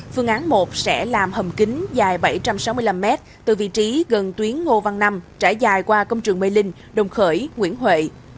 phương án một sẽ làm hầm kính dài bảy trăm sáu mươi năm m từ vị trí gần tuyến ngô văn năm trải dài qua công trường mê linh đồng khởi nguyễn huệ